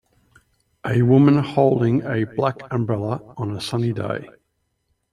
A woman holding a black umbrella on a sunny day.